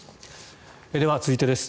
では、続いてです。